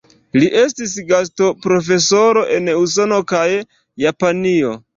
Li estis gastoprofesoro en Usono kaj Japanio.